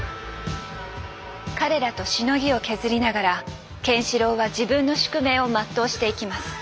彼らとしのぎを削りながらケンシロウは自分の宿命を全うしていきます。